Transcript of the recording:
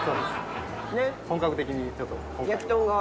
本格的にちょっと今回は。